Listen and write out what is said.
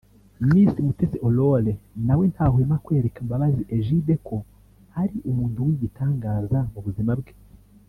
Miss Mutesi Aurore na we ntahwema kwereka Mbabazi Egide ko ari umuntu w’igitangaza mu buzima bwe